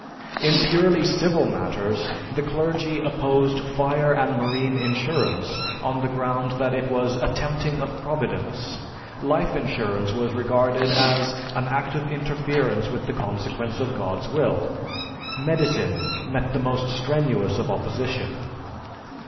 In purely civil matters, the clergy opposed fire and marine insurance on the ground that it was a tempting of Providence. Life insurance was regarded as an act of interference with the consequence of God's will. Medicine met the most strenuous of opposition.